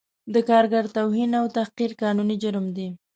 د کارګر توهین او تحقیر قانوني جرم دی